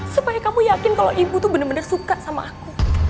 supaya kamu yakin kalau ibu itu benar benar suka sama aku